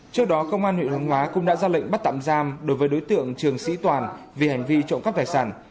trước đó công an huyện hướng hóa cũng đã ra lệnh bắt tạm giam đối với đối tượng trường sĩ toàn vì hành vi trộm cắp tài sản